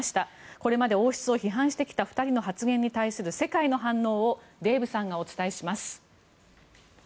これまで王室を批判してきた２人の発言に対する世界の反応をデーブさんがお伝えします。